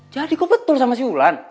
jadi kok betul sama si wulan